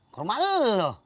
ke rumah lo